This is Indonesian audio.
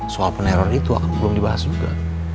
soal peneror itu belum dibahas juga